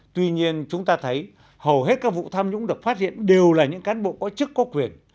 tuy nhiên chúng ta thấy hầu hết các vụ tham nhũng được phát hiện đều là những cán bộ có chức có quyền